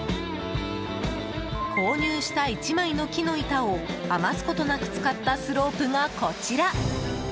購入した１枚の木の板を余すことなく使ったスロープがこちら！